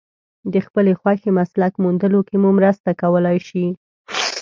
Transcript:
د خپلې خوښې مسلک موندلو کې مو مرسته کولای شي.